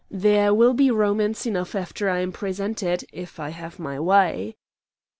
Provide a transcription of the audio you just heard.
There will be romance enough after I am presented, if I have my way."